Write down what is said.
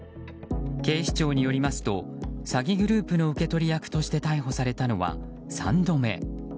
警視庁によりますと詐欺グループの受け取り役として逮捕されたのは３度目。